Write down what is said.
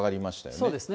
そうですね。